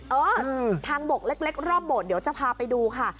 เออทางบกเล็กรอบโบสถ์เดี๋ยวจะพาไปดูค่ะ